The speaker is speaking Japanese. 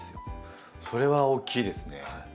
それは大きいですね。